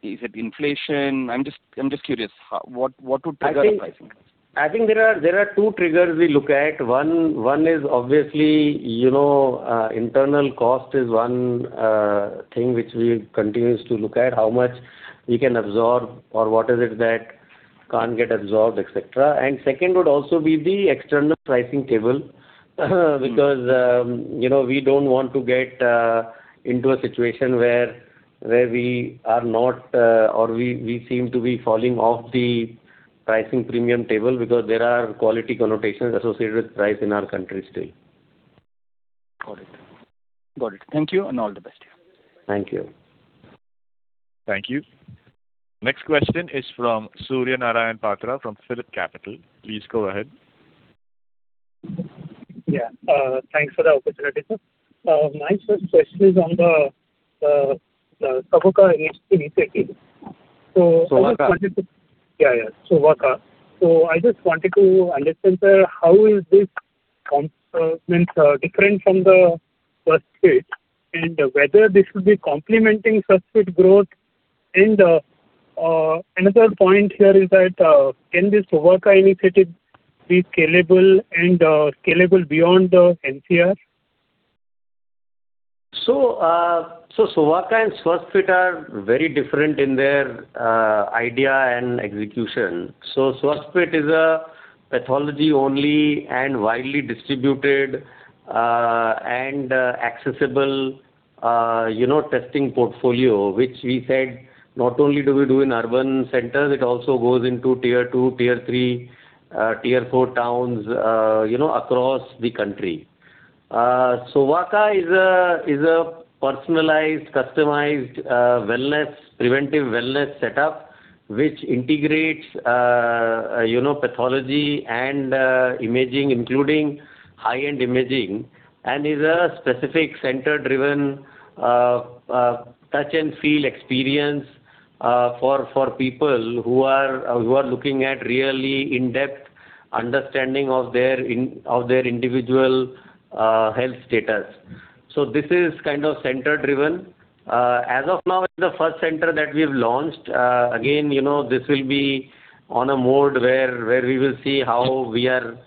Is it inflation? I'm just curious, how, what would trigger a price increase? I think there are two triggers we look at. One is obviously, you know, internal cost is one thing which we continues to look at, how much we can absorb or what is it that can't get absorbed, et cetera. And second would also be the external pricing table, because, you know, we don't want to get into a situation where we are not, or we seem to be falling off the pricing premium table because there are quality connotations associated with price in our country still. Got it. Got it. Thank you, and all the best. Thank you. Thank you. Next question is from Surya Narayan Patra, from PhillipCapital. Please go ahead. Yeah. Thanks for the opportunity, sir. My first question is on the Sovaaka initiative. So- Sovaaka. Yeah, yeah, Sovaaka. So I just wanted to understand, sir, how is this different from the SwasthFit, and whether this will be complementing SwasthFit growth? Another point here is that, can this Sovaaka initiative be scalable and scalable beyond the NCR? So, Sovaaka and SwasthFit are very different in their idea and execution. So SwasthFit is a pathology-only and widely distributed and accessible, you know, testing portfolio, which we said not only do we do in urban centers, it also goes into tier two, tier three, tier four towns, you know, across the country. Sovaaka is a personalized, customized wellness, preventive wellness setup, which integrates, you know, pathology and imaging, including high-end imaging, and is a specific center-driven touch and feel experience for people who are looking at really in-depth understanding of their individual health status. So this is kind of center-driven. As of now, the first center that we've launched, again, you know, this will be on a mode where, where we will see how we are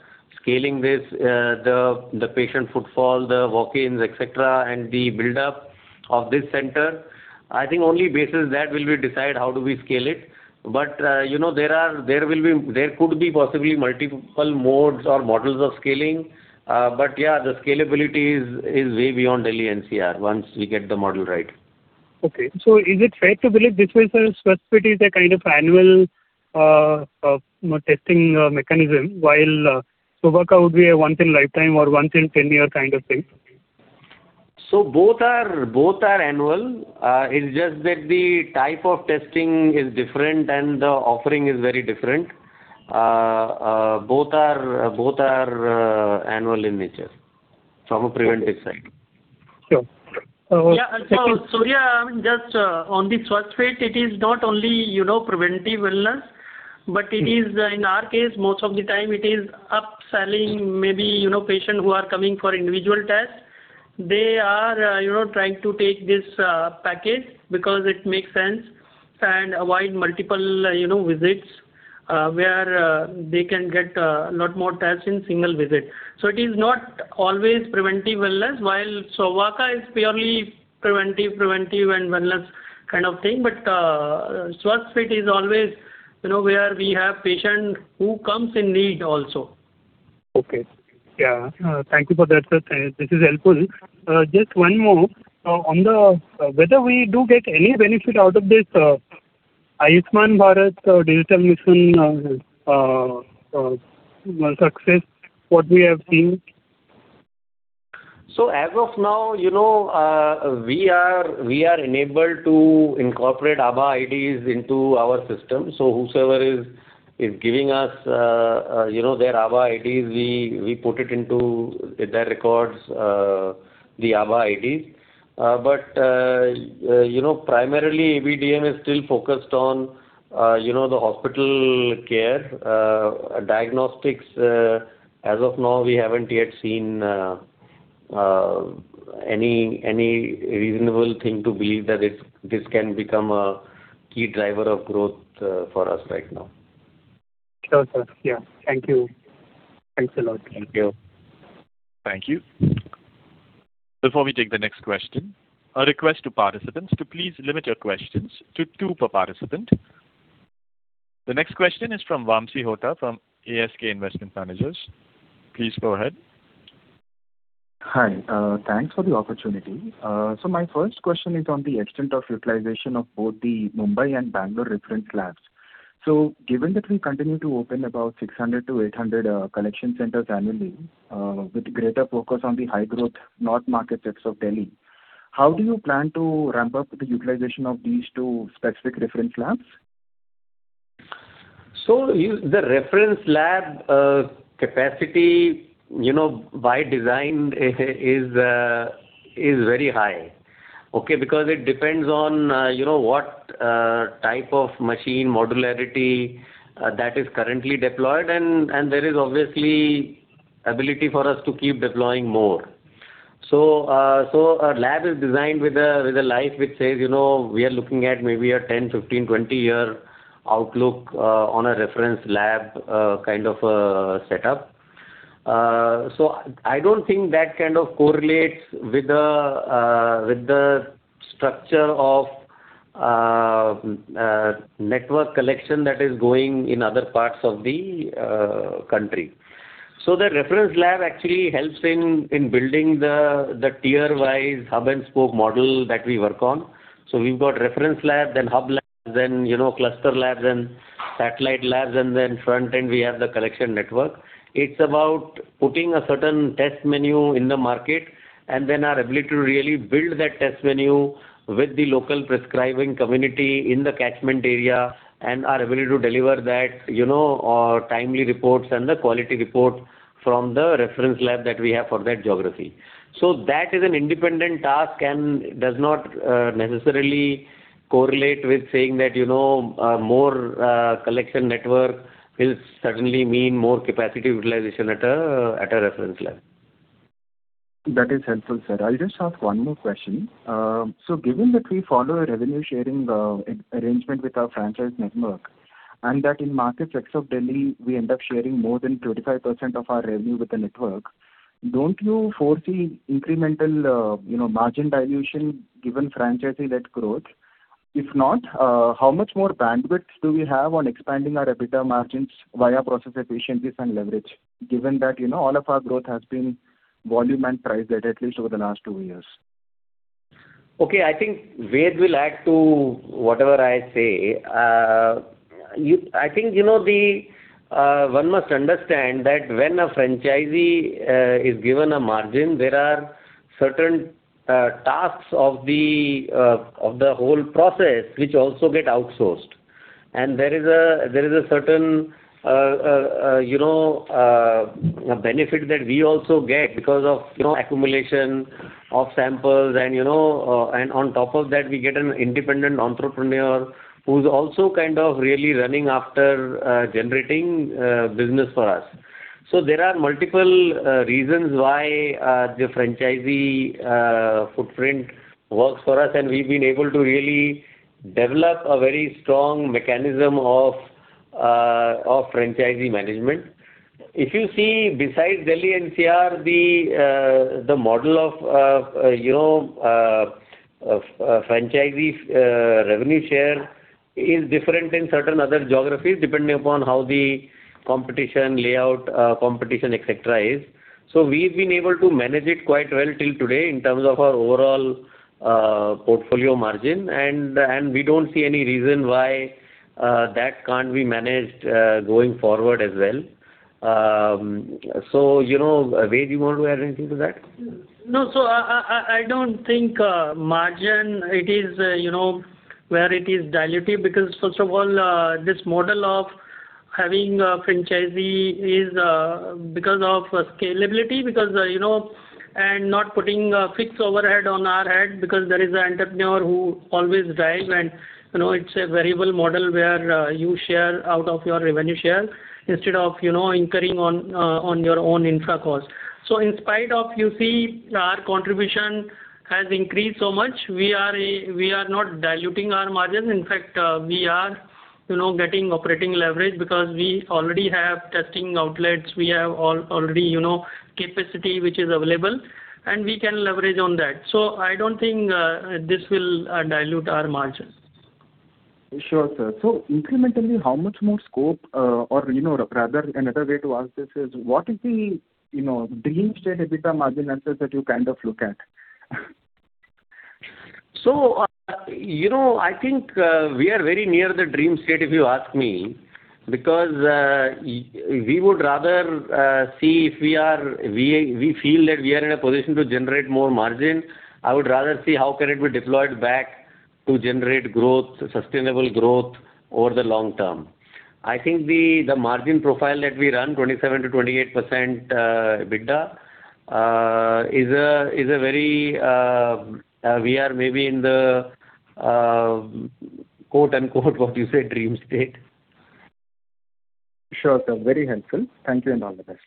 scaling this, the patient footfall, the walk-ins, et cetera, and the buildup of this center. I think only basis that will we decide how do we scale it. But, you know, there could be possibly multiple modes or models of scaling. But yeah, the scalability is way beyond Delhi NCR once we get the model right. Okay. So is it fair to believe this way, sir, SwasthFit is a kind of annual testing mechanism, while Sovaaka would be a once in a lifetime or once in ten year kind of thing? So both are annual. It's just that the type of testing is different and the offering is very different. Both are annual in nature from a preventive side. Sure. So- Yeah, so, Surya, just, on the SwasthFit, it is not only, you know, preventive wellness, but it is- Mm. -in our case, most of the time it is upselling, maybe, you know, patient who are coming for individual tests. They are, you know, trying to take this, package because it makes sense and avoid multiple, you know, visits, where, they can get, lot more tests in single visit. So it is not always preventive wellness, while Sovaaka is purely preventive, preventive and wellness kind of thing. But, SwasthFit is always, you know, where we have patient who comes in need also. Okay. Yeah, thank you for that, sir. This is helpful. Just one more. On the... whether we do get any benefit out of this Ayushman Bharat Digital Mission success, what we have seen? So as of now, you know, we are enabled to incorporate ABHA IDs into our system. So whosoever is giving us, you know, their ABHA IDs, we put it into their records, the ABHA IDs. But, you know, primarily, ABDM is still focused on, you know, the hospital care, diagnostics. As of now, we haven't yet seen any reasonable thing to believe that this can become a key driver of growth, for us right now. Sure, sir. Yeah. Thank you. Thanks a lot. Thank you. Thank you. Before we take the next question, a request to participants to please limit your questions to two per participant. The next question is from Vamsi Hota from ASK Investment Managers. Please go ahead. Hi, thanks for the opportunity. So my first question is on the extent of utilization of both the Mumbai and Bangalore reference labs. So given that we continue to open about 600-800 collection centers annually, with greater focus on the high growth non-metro market segments of Delhi, how do you plan to ramp up the utilization of these two specific reference labs? So, the reference lab capacity, you know, by design, is very high. Okay, because it depends on, you know, what type of machine modularity that is currently deployed, and there is obviously ability for us to keep deploying more. So, our lab is designed with a life which says, you know, we are looking at maybe a 10-, 15-, 20-year outlook on a reference lab kind of a setup. So I don't think that kind of correlates with the structure of network collection that is going in other parts of the country. So the reference lab actually helps in building the tier-wise hub and spoke model that we work on. So we've got reference labs, then hub labs, then, you know, cluster labs, then satellite labs, and then front end, we have the collection network. It's about putting a certain test menu in the market and then our ability to really build that test menu with the local prescribing community in the catchment area, and our ability to deliver that, you know, timely reports and the quality reports from the reference lab that we have for that geography. So that is an independent task and does not necessarily correlate with saying that, you know, more collection network will certainly mean more capacity utilization at a reference lab. That is helpful, sir. I'll just ask one more question. So given that we follow a revenue-sharing arrangement with our franchise network, and that in markets except Delhi, we end up sharing more than 35% of our revenue with the network, don't you foresee incremental, you know, margin dilution given franchisee-led growth? If not, how much more bandwidth do we have on expanding our EBITDA margins via process efficiencies and leverage, given that, you know, all of our growth has been volume and price, at least over the last two years? Okay, I think Ved will add to whatever I say. I think, you know, the one must understand that when a franchisee is given a margin, there are certain tasks of the of the whole process which also get outsourced. And there is a, there is a certain benefit that we also get because of, you know, accumulation of samples and, you know, and on top of that, we get an independent entrepreneur who's also kind of really running after generating business for us. So there are multiple reasons why the franchisee footprint works for us, and we've been able to really develop a very strong mechanism of of franchisee management. If you see, besides Delhi NCR, the model of, you know, of franchisee's revenue share is different in certain other geographies, depending upon how the competition layout, competition, et cetera, is. So we've been able to manage it quite well till today in terms of our overall portfolio margin, and we don't see any reason why that can't be managed going forward as well. So, you know, Ved, you want to add anything to that? No. So I don't think margin it is, you know, where it is dilutive, because first of all, this model of having a franchisee is, because of scalability, because, you know, and not putting a fixed overhead on our head, because there is an entrepreneur who always drive and, you know, it's a variable model where, you share out of your revenue share instead of, you know, incurring on, on your own infra cost. So in spite of you see our contribution has increased so much, we are not diluting our margin. In fact, we are, you know, getting operating leverage because we already have testing outlets, we have already, you know, capacity which is available, and we can leverage on that. So I don't think this will dilute our margins. Sure, sir. So incrementally, how much more scope, you know, rather another way to ask this is: What is the, you know, dream state EBITDA margin answers that you kind of look at? So, you know, I think we are very near the dream state, if you ask me, because we would rather see if we are, we feel that we are in a position to generate more margin. I would rather see how can it be deployed back to generate growth, sustainable growth over the long term. I think the margin profile that we run, 27%-28% EBITDA, is a very, we are maybe in the, quote unquote, what you said, "dream state. Sure, sir. Very helpful. Thank you and all the best.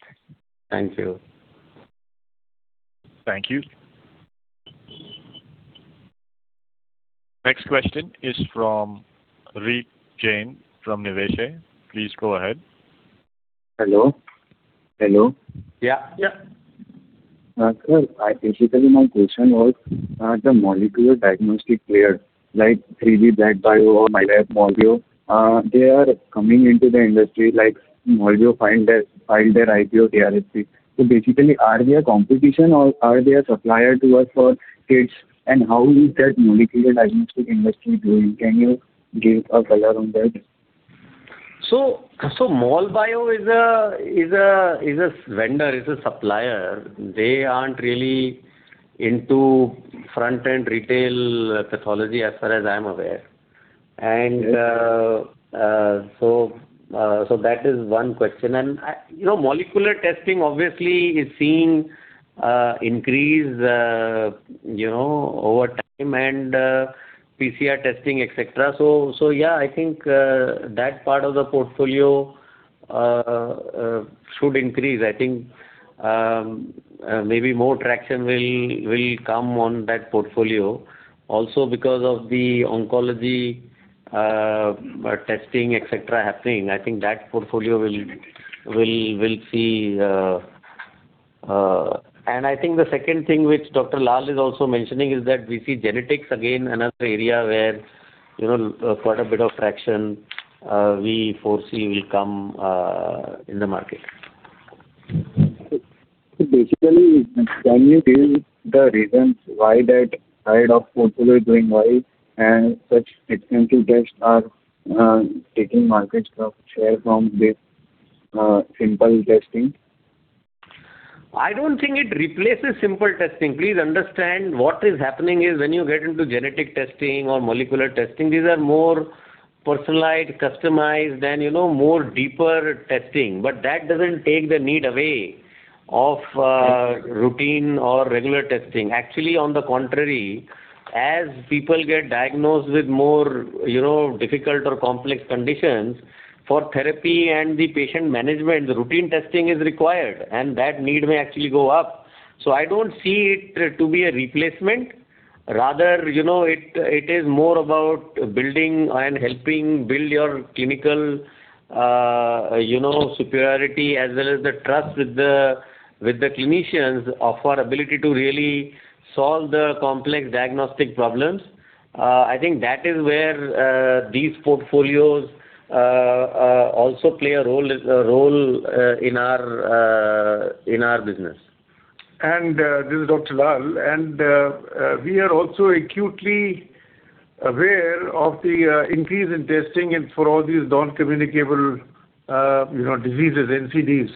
Thank you. Thank you. Next question is from Ritik Jain, from Niveshaay. Please go ahead. Hello? Hello. Yeah. Yeah. Sir, I basically my question was, the molecular diagnostic player, like 3B BlackBio or Molbio, they are coming into the industry, like Molbio filed their IPO, DRHP. So basically, are they a competition or are they a supplier to us for kits? And how is that molecular diagnostic industry doing? Can you give a color on that? Molbio is a vendor, is a supplier. They aren't really into front-end retail pathology as far as I'm aware. And so that is one question. And I— You know, molecular testing obviously is seeing increase you know over time and PCR testing, et cetera. So yeah, I think that part of the portfolio should increase. I think maybe more traction will come on that portfolio. Also, because of the oncology testing, et cetera, happening, I think that portfolio will see... And I think the second thing which Dr. Lal is also mentioning is that we see genetics, again, another area where, you know, quite a bit of traction we foresee will come in the market. Basically, can you give the reasons why that side of portfolio is doing well, and such extensive tests are taking market share from the simple testing? I don't think it replaces simple testing. Please understand, what is happening is when you get into genetic testing or molecular testing, these are more personalized, customized, and, you know, more deeper testing. But that doesn't take the need away of, routine or regular testing. Actually, on the contrary, as people get diagnosed with more, you know, difficult or complex conditions, for therapy and the patient management, the routine testing is required, and that need may actually go up. So I don't see it to be a replacement. Rather, you know, it, it is more about building and helping build your clinical, you know, superiority, as well as the trust with the, with the clinicians of our ability to really solve the complex diagnostic problems. I think that is where these portfolios also play a role in our business. This is Dr. Lal, and we are also acutely aware of the increase in testing and for all these non-communicable, you know, diseases, NCDs.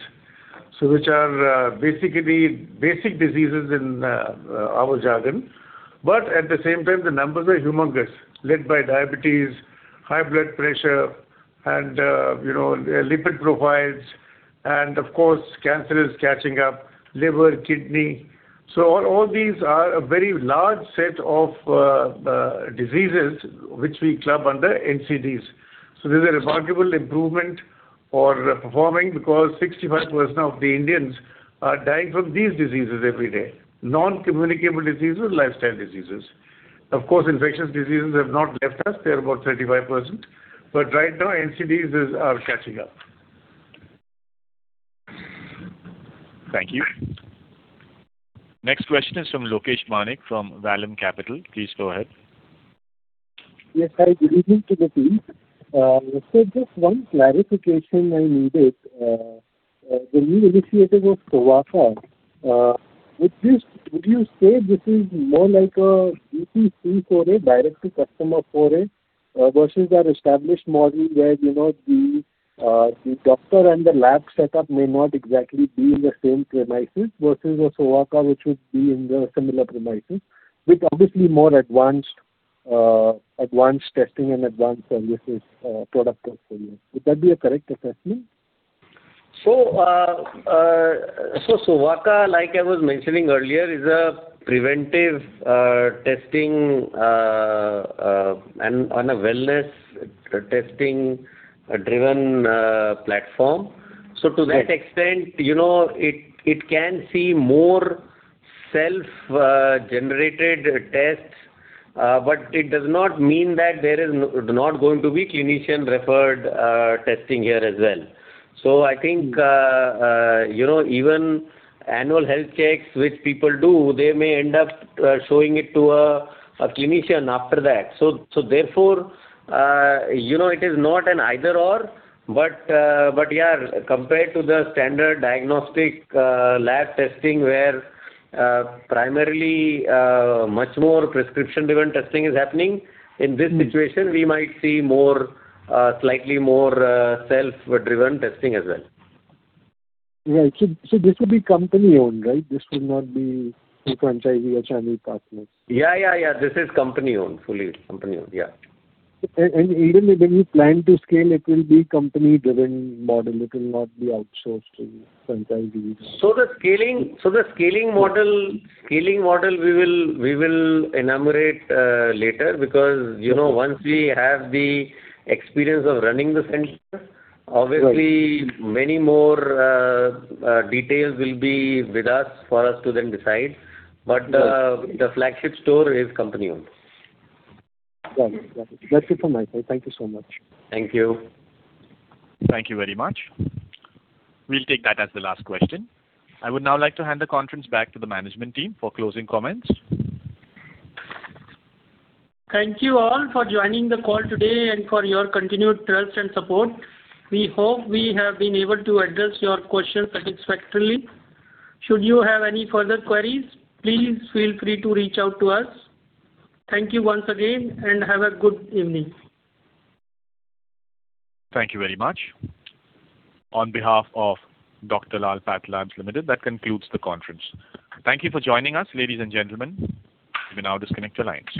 So which are basically basic diseases in our jargon. But at the same time, the numbers are humongous, led by diabetes, high blood pressure, and you know, lipid profiles, and of course, cancer is catching up, liver, kidney. So all these are a very large set of diseases which we club under NCDs. So there's a remarkable improvement or performing because 65% of the Indians are dying from these diseases every day. Non-communicable diseases, lifestyle diseases. Of course, infectious diseases have not left us. They are about 35%. But right now, NCDs are catching up. Thank you. Next question is from Lokesh Manik, from Vallum Capital. Please go ahead. Yes, hi. Good evening to the team. So just one clarification I needed, the new initiative of Sovaaka, would you, would you say this is more like a DTC for a direct to customer for it, versus an established model where, you know, the, the doctor and the lab setup may not exactly be in the same premises, versus a Sovaaka, which would be in the similar premises, with obviously more advanced, advanced testing and advanced services, product portfolio? Would that be a correct assessment? So, so Sovaaka, like I was mentioning earlier, is a preventive testing and on a wellness testing-driven platform. So to that extent, you know, it, it can see more self-generated tests, but it does not mean that there is not going to be clinician-referred testing here as well. So I think, you know, even annual health checks, which people do, they may end up showing it to a clinician after that. So, so therefore, you know, it is not an either/or, but, but yeah, compared to the standard diagnostic lab testing, where primarily much more prescription-driven testing is happening, in this situation, we might see more slightly more self-driven testing as well. Right. So, so this would be company-owned, right? This would not be a franchisee or channel partners. Yeah, yeah, yeah. This is company-owned, fully company-owned, yeah. And even when you plan to scale, it will be company-driven model. It will not be outsourced to franchisees. The scaling model we will enumerate later, because, you know, once we have the experience of running the center, obviously- Right. Many more details will be with us for us to then decide. Right. But, the flagship store is company-owned. Got it. Got it. That's it from my side. Thank you so much. Thank you. Thank you very much. We'll take that as the last question. I would now like to hand the conference back to the management team for closing comments. Thank you all for joining the call today and for your continued trust and support. We hope we have been able to address your questions satisfactorily. Should you have any further queries, please feel free to reach out to us. Thank you once again, and have a good evening. Thank you very much. On behalf of Dr. Lal PathLabs Limited, that concludes the conference. Thank you for joining us, ladies and gentlemen. You may now disconnect your lines.